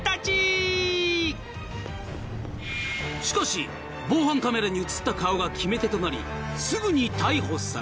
［しかし防犯カメラに写った顔が決め手となりすぐに逮捕された］